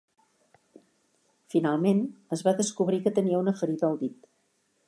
Finalment, es va descobrir que tenia una ferida al dit.